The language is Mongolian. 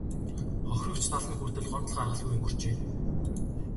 Хохирогч тал нь хүртэл гомдол гаргалгүй өнгөрчээ.